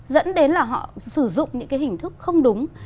dẫn đến là họ sử dụng những cái hình thức không đúng